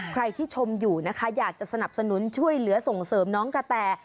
ใครที่ชมอยู่นะคะอยากจะสนับสนุนช่วยเหลือส่งเสริมน้องกะแต